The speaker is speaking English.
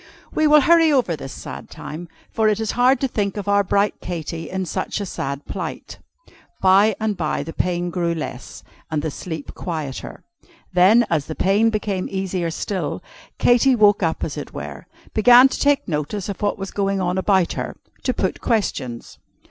We will hurry over this time, for it is hard to think of our bright Katy in such a sad plight. By and by the pain grew less, and the sleep quieter. Then, as the pain became easier still, Katy woke up as it were began to take notice of what was going on about her; to put questions.